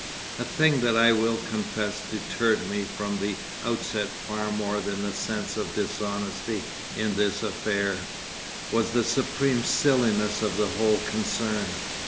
A thing that I will confess deterred me from the outset far more than the sense of dishonesty in this affair, was the supreme silliness of the whole concern.